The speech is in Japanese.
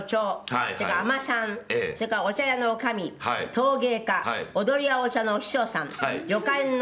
「それからあまさんそれからお茶屋のおかみ陶芸家踊りやお茶のお師匠さん旅館の仲居頭